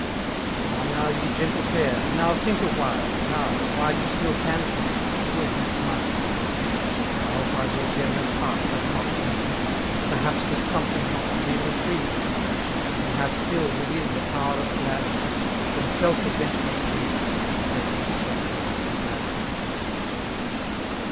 Ah now, ye gende pair^'— now iMvlk awhile> N0W4 while ye still can think, and still can smile 3 63 Now, ndiile your generous hearts have not been grieved Perhaps with something not to be retrieved. And ye have still, within, tibie power of gladness. From self resentment free, and retrospective mad^ ness!